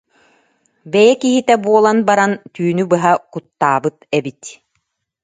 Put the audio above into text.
Бэйэ киһитэ буолан баран, түүнү быһа куттаабыт эбит»